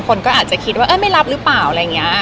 คนก็อาจจะคิดว่าไม่รับหรือเปล่า